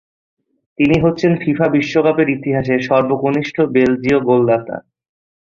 তিনি হচ্ছেন ফিফা বিশ্বকাপের ইতিহাসে সর্বকনিষ্ঠ বেলজীয় গোলদাতা।